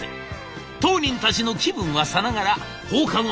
当人たちの気分はさながら放課後のクラブ活動。